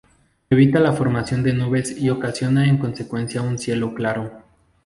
Evita la formación de nubes y ocasiona en consecuencia un cielo claro.